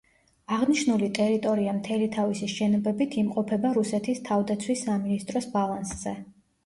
აღნიშნული ტერიტორია მთელი თავისი შენობებით იმყოფება რუსეთის თავდაცვის სამინისტროს ბალანსზე.